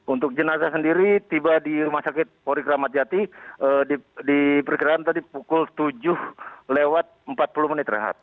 untuk jenazah sendiri tiba di rumah sakit polri kramadjati di perkiran tadi pukul tujuh lewat empat puluh menit renat